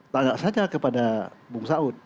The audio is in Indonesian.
tanya saja kepada bung saud